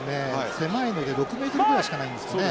狭いので６メートルぐらいしかないんですね。